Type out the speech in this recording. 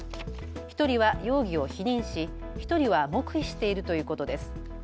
１人は容疑を否認し、１人は黙秘しているということです。